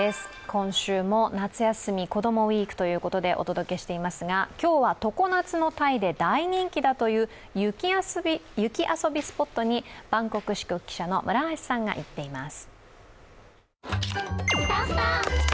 今週も「夏休み子どもＷＥＥＫ」ということでお届けしていますが、今日は常夏のタイで大人気だという雪遊びスポットにバンコク支局記者の村橋さんが行っています。